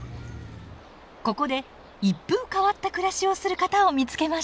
ここで一風変わった暮らしをする方を見つけました。